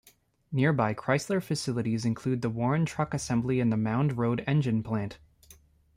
Nearby Chrysler facilities include the Warren Truck Assembly and the Mound Road Engine plant.